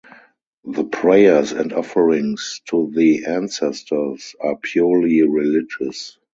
The prayers and offerings to the ancestors are purely religious.